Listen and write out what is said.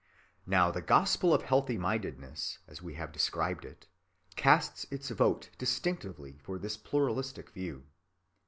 Now the gospel of healthy‐mindedness, as we have described it, casts its vote distinctly for this pluralistic view.